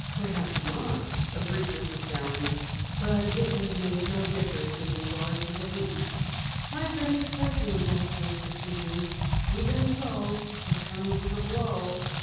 "Perhaps not," agreed Mrs. Downey, "but it would have made no difference in regard to the lease. I've been expecting Jasko's decision. Even so, it comes as a blow.